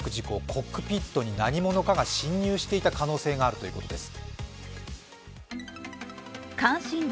コックピットに何者かが侵入していた可能性があるということです。